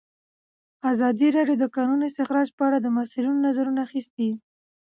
ازادي راډیو د د کانونو استخراج په اړه د مسؤلینو نظرونه اخیستي.